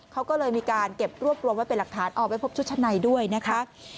เขาก็เลยมีการเก็บรวบรวมไว้เป็นหลักฐานออกไปพบชุดชั้นในด้วยนะคะ